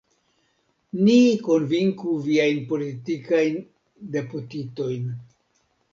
Ni konvinku viajn politikajn deputitojn!